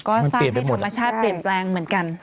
ก็สร้างให้ธรรมชาติเปลี่ยนแปลงเหมือนกัน